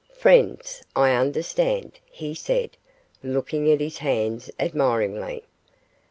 'Friends, I understand,' he said, looking at his hands, admiringly.